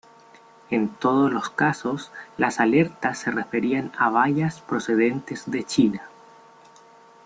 En todos los casos las alertas se referían a bayas procedentes de China.